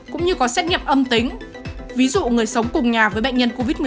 cũng như có xét nghiệm âm tính ví dụ người sống cùng nhà với bệnh nhân covid một mươi chín